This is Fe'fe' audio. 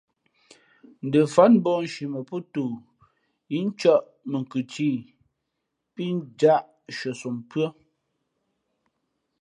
Ndα fát mbαᾱnshi mα pōtoo yí ncᾱʼ mα khʉ tî pí njāʼ shʉαsom pʉ́ά.